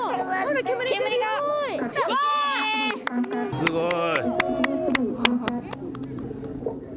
すごい。